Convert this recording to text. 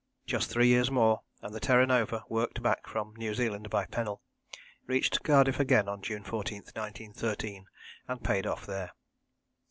Just three years more and the Terra Nova, worked back from New Zealand by Pennell, reached Cardiff again on June 14, 1913, and paid off there.